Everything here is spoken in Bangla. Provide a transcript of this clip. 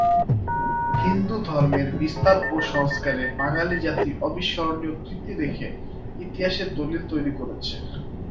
হিন্দু ধর্মের বিস্তার ও সংস্কারে বাঙালি জাতি অবিস্মরণীয় কীর্তি রেখে ইতিহাসের দলিল তৈরি করেছে।